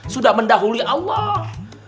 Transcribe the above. sudah mendahului allah